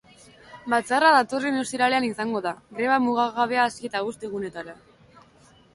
Batzarra datorren ostiralean izango da, greba mugagabea hasi eta bost egunetara.